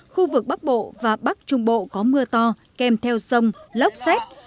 khu vực bắc bộ và bắc trung bộ có mưa to kèm theo rông lốc xét